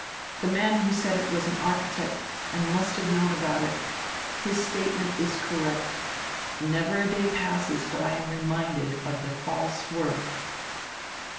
'" The man who said it was an architect and must have known about it. His statement is correct Never a day passes but I am reminded of die 'false work.'"